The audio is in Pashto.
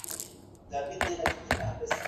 د خپلو لیکنو پر